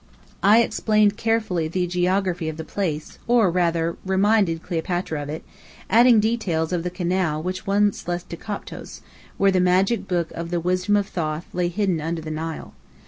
I explained carefully the geography of the place, or rather, "reminded" Cleopatra of it, adding details of the canal which once led to Koptos, where the magic book of the Wisdom of Thoth lay hidden under the Nile.